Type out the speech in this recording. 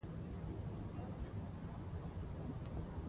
د هغه خدمتونه د سرو زرو په اوبو ليکل کيږي.